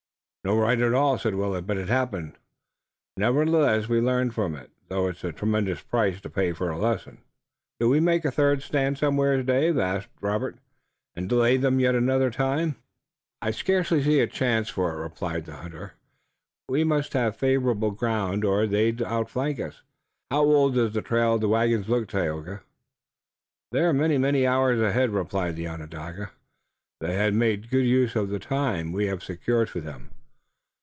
"No right at all," said Willet, "but it happened, nevertheless. We'll learn from it, though it's a tremendous price to pay for a lesson." "Do we make a third stand somewhere, Dave?" asked Robert, "and delay them yet another time?" "I scarcely see a chance for it," replied the hunter. "We must have favorable ground or they'd outflank us. How old does the trail of the wagons look, Tayoga?" "They are many, many hours ahead," replied the Onondaga. "They have made good use of the time we have secured for them."